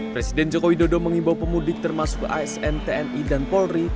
presiden joko widodo mengimbau pemudik termasuk asn tni dan polri